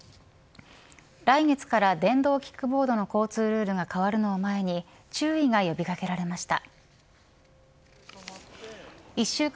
来月から電動キックボードの交通ルールが変わるのを前に注意が呼び掛けられました。